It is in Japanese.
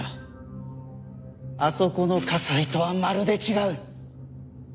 あそこの加西とはまるで違う。